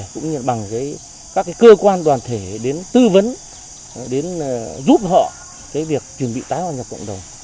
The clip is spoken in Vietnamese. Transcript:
cũng như bằng các cơ quan đoàn thể đến tư vấn đến giúp họ cái việc chuẩn bị tái hòa nhập cộng đồng